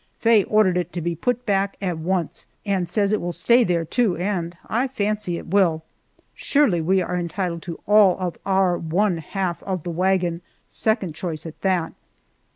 Faye ordered it to be put back at once, and says it will stay there, too, and I fancy it will! Surely we are entitled to all of our one half of the wagon second choice at that.